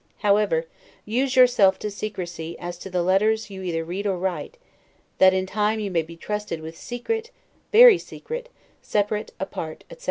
However, use yourself to secrecy as to the letters you either read or write, that in time you may be trusted with SECRET, VERY SECRET, SEPARATE, APART, etc.